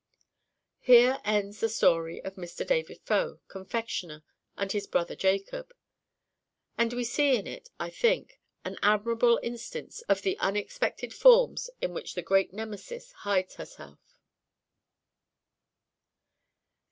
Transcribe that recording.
Here ends the story of Mr. David Faux, confectioner, and his brother Jacob. And we see in it, I think, an admirable instance of the unexpected forms in which the great Nemesis hides herself.